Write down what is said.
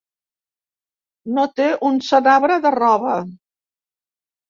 No té un senabre de roba.